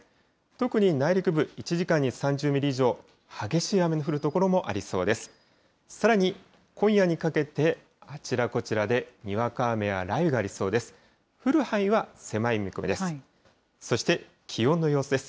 特に内陸部、１時間に３０ミリ以上、激しい雨の降る所もありそうです。